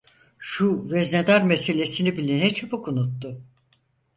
Şu veznedar meselesini bile ne çabuk unuttu.